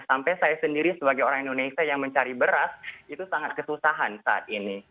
sampai saya sendiri sebagai orang indonesia yang mencari beras itu sangat kesusahan saat ini